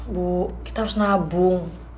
bu kita harus nabung